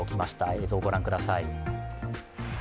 映像、ご覧ください。